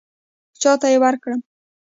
چاته یې ورکړم.